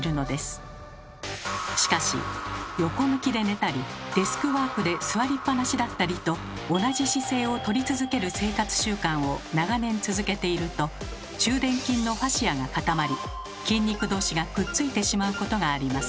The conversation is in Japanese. しかし横向きで寝たりデスクワークで座りっぱなしだったりと同じ姿勢をとり続ける生活習慣を長年続けていると中臀筋のファシアが固まり筋肉同士がくっついてしまうことがあります。